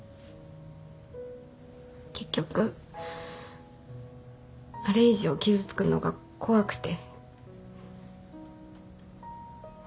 結局あれ以上傷つくのが怖くて。